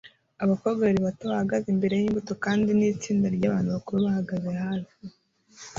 Abakobwa babiri bato bahagaze imbere yimbuto kandi itsinda ryabantu bakuru bahagaze hafi